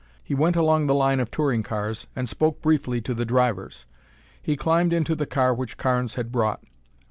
He went along the line of touring cars and spoke briefly to the drivers. He climbed into the car which Carnes had brought.